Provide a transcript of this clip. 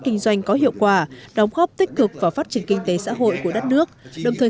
kinh doanh có hiệu quả đóng góp tích cực vào phát triển kinh tế xã hội của đất nước đồng thời